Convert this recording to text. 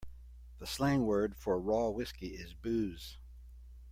The slang word for raw whiskey is booze.